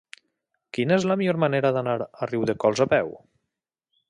Quina és la millor manera d'anar a Riudecols a peu?